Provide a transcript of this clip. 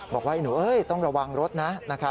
บอกว่าหนูต้องระวังรถนะ